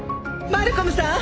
マルコムさん！